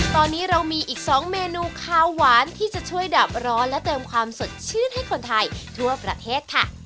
ตอนนี้เรามีอีก๒เมนูข้าวหวานที่จะช่วยดับร้อนและเติมความสดชื่นให้คนไทยทั่วประเทศค่ะ